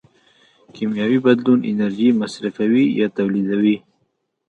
کیمیاوي بدلون انرژي مصرفوي یا تولیدوي.